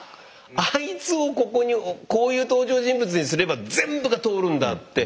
あいつをここにこういう登場人物にすれば全部が通るんだあって